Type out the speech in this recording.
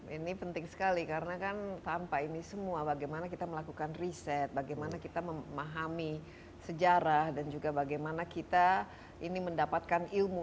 ini penting sekali karena kan tanpa ini semua bagaimana kita melakukan riset bagaimana kita memahami sejarah dan juga bagaimana kita ini mendapatkan ilmu